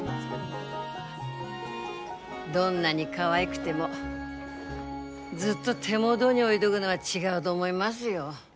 どんなにかわいくてもずっと手元に置いどぐのは違うど思いますよ。